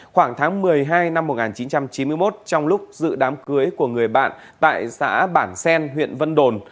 khoảng tháng một mươi hai năm một nghìn chín trăm chín mươi một trong lúc dự đám cưới của người bạn tại xã bản sen huyện vân đồn